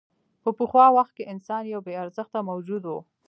په پخوا وخت کې انسان یو بېارزښته موجود و.